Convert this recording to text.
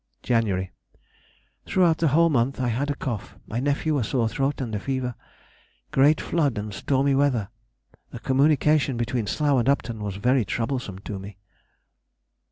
Jan.—Throughout the whole month I had a cough, my nephew a sore throat and fever. Great flood and stormy weather. The communication between Slough and Upton was very troublesome to me.